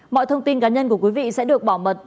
mọi thông tin cá nhân của quý vị sẽ được bảo mật